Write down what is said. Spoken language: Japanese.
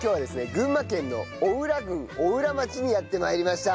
群馬県の邑楽郡邑楽町にやって参りました。